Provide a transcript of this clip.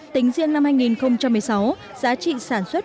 tính riêng năm hai nghìn một mươi sáu giá trị sản xuất